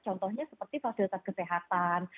contohnya seperti fasilitas kesehatan